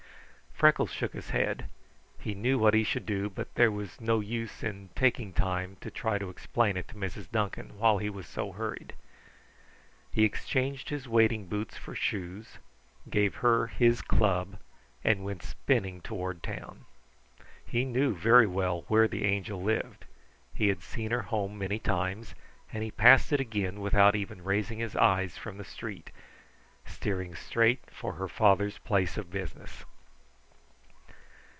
Freckles shook his head. He knew what he should do, but there was no use in taking time to try to explain it to Mrs. Duncan while he was so hurried. He exchanged his wading boots for shoes, gave her his club, and went spinning toward town. He knew very well where the Angel lived. He had seen her home many times, and he passed it again without even raising his eyes from the street, steering straight for her father's place of business.